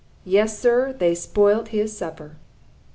Yes, Sir, they spoiled his supper.